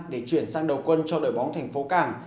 để chuyển sang đầu quân cho đội bóng thành phố cảng